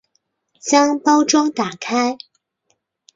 将包装打开